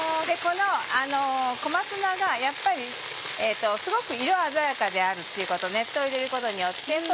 この小松菜がやっぱりすごく色鮮やかであるっていうこと熱湯を入れることによって。